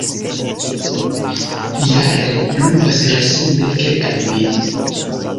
Jare pluvas resume kelkaj mm.